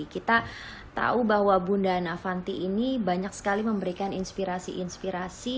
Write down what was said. kita tahu bahwa bunda anafanti ini banyak sekali memberikan inspirasi inspirasi